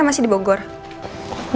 nggak ada di jakarta